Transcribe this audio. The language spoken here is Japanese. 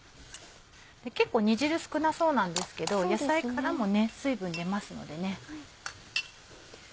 結構煮汁少なそうなんですけど野菜からも水分出ますのでね。